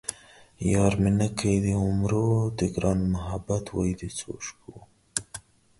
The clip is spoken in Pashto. یار مې نه کئ د عمرو ـ د ګران محبت وئ د څو شپو